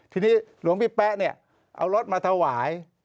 ทีนี้หลวงพี่แป๊ะเนี่ยเอารถมาถวาย